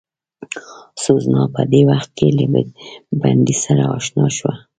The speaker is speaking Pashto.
سوزانا په همدې وخت کې له بندي سره اشنا شوه.